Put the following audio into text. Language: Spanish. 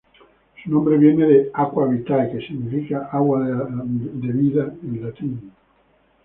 Su nombre viene de "aqua vitae", que significa "agua de la vida" en latín.